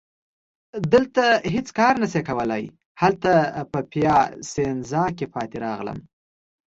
دلته هیڅ کار نه شي کولای، هلته په پیاسینزا کي پاتې راغلم.